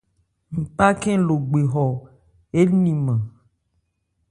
Npá khɛ́n Logbe hɔ éliman.